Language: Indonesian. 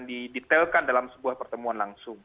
didetailkan dalam pertemuan langsung